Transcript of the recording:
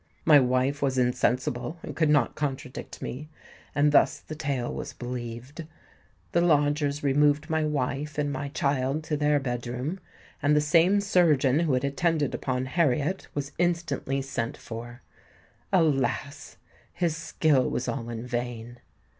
My wife was insensible, and could not contradict me; and thus the tale was believed. The lodgers removed my wife and my child to their bed room; and the same surgeon who had attended upon Harriet was instantly sent for. Alas! his skill was all in vain.